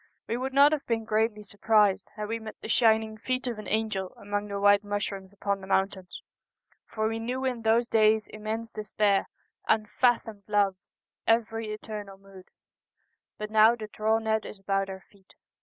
We would not have been greatly surprised had we met the shining feet of an angel among the white mushrooms upon the mountains , for we knew in those days immense de spair, unfathomed love — every eternal mood, — but now the draw net is about our feet.